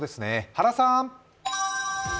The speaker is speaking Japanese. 原さん。